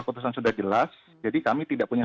keputusan sudah jelas jadi kami tidak punya